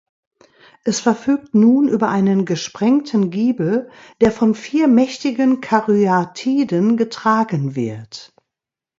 Es verfügt nun über einen gesprengten Giebel, der von vier mächtigen Karyatiden getragen wird.